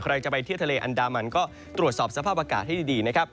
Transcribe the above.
ใครจะไปเที่ยวทะเลอันดามันก็ตรวจสอบสภาพอากาศให้ดีนะครับ